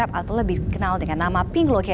antaraalia vision selanjutnya gabung mscdeal chaos